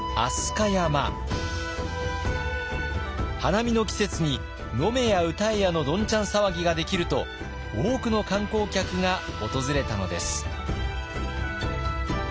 花見の季節に飲めや歌えやのどんちゃん騒ぎができると多くの観光客が訪れたのです。